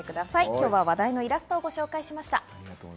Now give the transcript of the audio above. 今日は話題のイラストをご紹介しました。